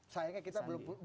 sayangnya kita belum